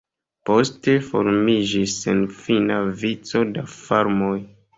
Poste formiĝis senfina vico da farmoj.